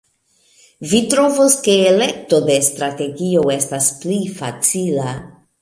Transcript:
Vi trovos, ke elekto de strategio estas pli facila.